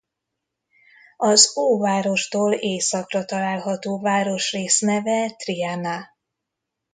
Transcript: Az Óvárostól északra található városrész neve Triana.